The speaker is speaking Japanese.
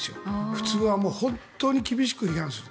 普通は本当に厳しく批判する。